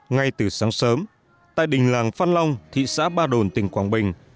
ngay từ sáng sớm tại đình làng phan long thị xã ba đồn tỉnh quảng bình